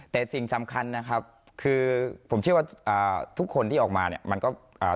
แต่สิ่งสำคัญนะครับคือผมเชื่อว่าอ่าทุกคนที่ออกมาเนี่ยมันก็อ่า